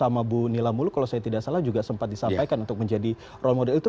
sama bu nila muluk kalau saya tidak salah juga sempat disampaikan untuk menjadi role model itu